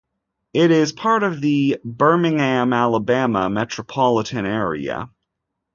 It is part of the Birmingham, Alabama, metropolitan area.